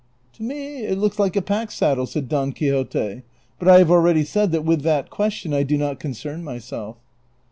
" To me it looks like a pack saddle,'*' said Don Quixote ;" but I have already said that with that question I do not con cern myself."